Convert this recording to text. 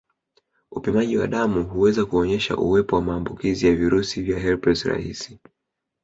Upimaji wa damu huweza kuonyesha uwepo wa maambukizi ya virusi vya herpes rahisi